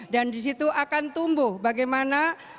dan disitu akan tumbuh bagaimana